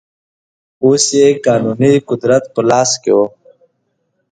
اوس یې قانوني قدرت په لاس کې و.